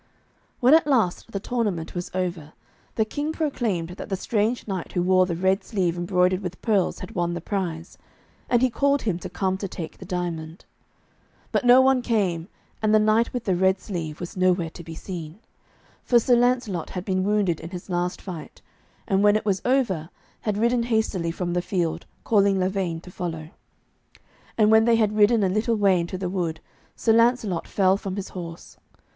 When at last the tournament was over, the King proclaimed that the strange knight who wore the red sleeve embroidered with pearls had won the prize, and he called him to come to take the diamond. But no one came, and the knight with the red sleeve was nowhere to be seen. For Sir Lancelot had been wounded in his last fight, and when it was over, had ridden hastily from the field, calling Lavaine to follow. And when they had ridden a little way into the wood, Sir Lancelot fell from his horse.